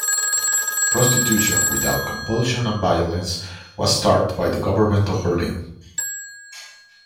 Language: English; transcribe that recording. Prostitution without compulsion and violence was started by the government of Berlin.